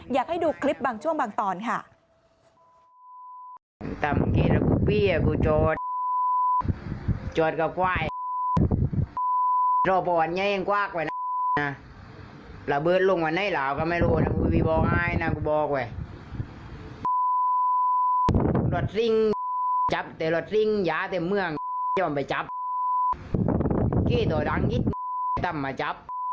อยากให้ดูคลิปบางช่วงบางตอนค่ะ